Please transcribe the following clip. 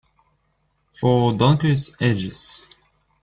For donkeys' ages.